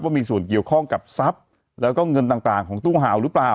ว่ามีส่วนเกี่ยวข้องกับทรัพย์แล้วก็เงินต่างของตู้ห่าวหรือเปล่า